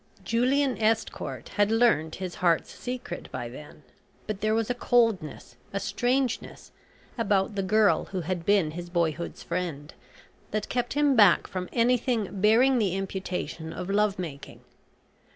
Julian Estcourt had learnt his heart's secret by then, but there was a coldness, a strangeness, about the girl who had been his boyhood's friend that kept him back from anything bearing the imputation of love making.